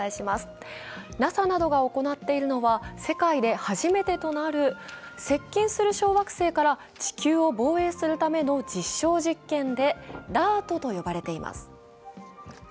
ＮＡＳＡなどが行っているのは世界で初めてとなる接近する小惑星から地球を防衛するための実証実験でＤＡＲＴと呼ばれています。